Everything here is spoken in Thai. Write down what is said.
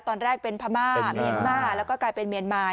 ตอนแรกเป็นพม่าเมียนมาแล้วก็กลายเป็นเมียนมา